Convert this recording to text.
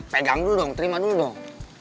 pegang dulu dong terima dulu dong